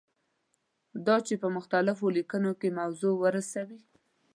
دا چې په مختلفو لیکنو کې موضوع ورسوي.